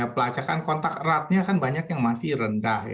pelacakan kontak eratnya kan banyak yang masih rendah